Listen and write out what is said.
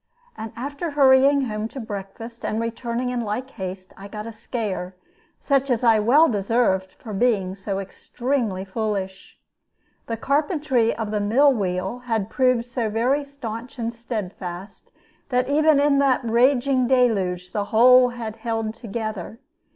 And after hurrying home to breakfast and returning in like haste, I got a scare, such as I well deserved, for being so extremely foolish. The carpentry of the mill wheel had proved so very stanch and steadfast that even in that raging deluge the whole had held together.